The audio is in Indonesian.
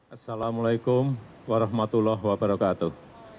assalamu'alaikum warahmatullahi wabarakatuh